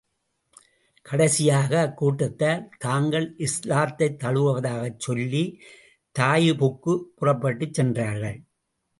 கடைசியாக, அக்கூட்டத்தார், தாங்கள் இஸ்லாத்தைத் தழுவுவதாகச் சொல்லி, தாயிபுக்குப் புறப்பட்டுச் சென்றார்கள்.